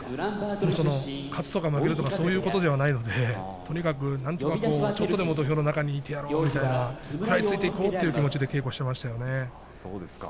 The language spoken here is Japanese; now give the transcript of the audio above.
勝つとか負けるとかそういうことではないのでとにかく、なんとかちょっとでも土俵の中にいてやろうみたいな食らいついていこうという気持ちで稽古していましたよね。